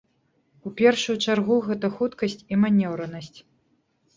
У першую чаргу, гэта хуткасць і манеўранасць.